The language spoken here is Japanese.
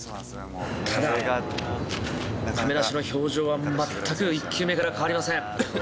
ただ、亀梨の表情は全く１球目から変わりません。